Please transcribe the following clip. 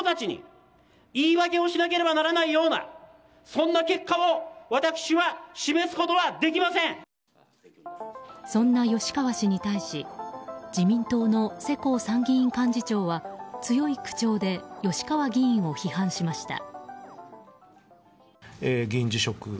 そんな吉川氏に対し自民党の世耕参議院幹事長は強い口調で吉川議員を批判しました。